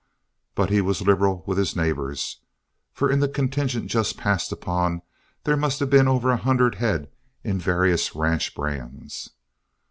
But he was liberal with his neighbors, for in the contingent just passed upon, there must have been over a hundred head in various ranch brands.